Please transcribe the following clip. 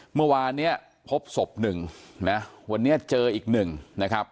เมื่อวานเนี้ยพบศพหนึ่งนะวันนี้เจออีกหนึ่งนะครับ